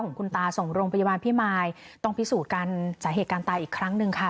ของคุณตาส่งโรงพยาบาลพี่มายต้องพิสูจน์กันสาเหตุการณ์ตายอีกครั้งหนึ่งค่ะ